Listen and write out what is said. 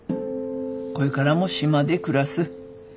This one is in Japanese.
これからも島で暮らす。